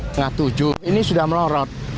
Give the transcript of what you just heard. tengah tujuh ini sudah melorot